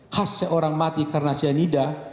khas seorang mati karena cyanida